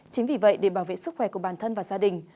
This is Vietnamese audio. chính vì vậy để bảo vệ sức khỏe của bản thân và gia đình